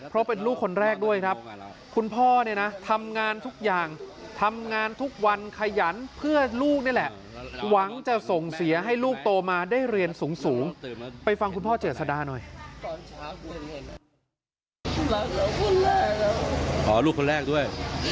เพราะเป็นลูกคนแรกด้วยครับคุณพ่อเนี่ยนะทำงานทุกอย่างทำงานทุกวันขยันเพื่อลูกนี่แหละหวังจะส่งเสียให้ลูกโตมาได้เรียนสูงไปฟังคุณพ่อเจษดาหน่อย